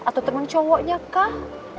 atau temen cowoknya kah